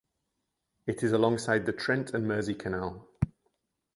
It is alongside the Trent and Mersey Canal.